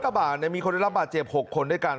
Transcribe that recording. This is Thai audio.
บอกว่ารถกระบาดมีคนได้รับป่าเจ็บ๖คนด้วยกัน